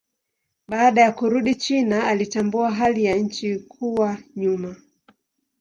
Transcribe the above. Baada ya kurudi China alitambua hali ya nchi kuwa nyuma.